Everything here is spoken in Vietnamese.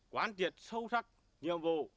quán tiệt sâu sắc nhiệm vụ